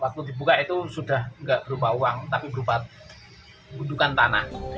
waktu dibuka itu sudah tidak berupa uang tapi berupa gundukan tanah